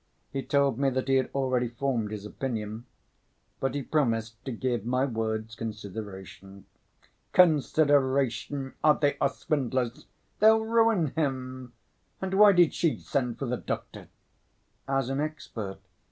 He told me that he had already formed his opinion. But he promised to give my words consideration." "Consideration! Ah, they are swindlers! They'll ruin him. And why did she send for the doctor?" "As an expert.